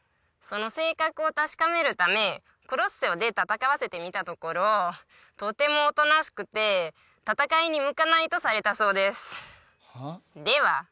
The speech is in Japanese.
その性格を確かめるためコロッセオで戦わせてみたところとてもおとなしくて戦いに向かないとされたそうです